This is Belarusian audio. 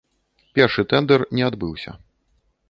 Першы тэндэр не адбыўся.